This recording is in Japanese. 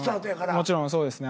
もちろんそうですね